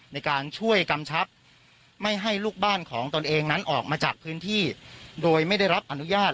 ในการช่วยกำชับไม่ให้ลูกบ้านของตนเองนั้นออกมาจากพื้นที่โดยไม่ได้รับอนุญาต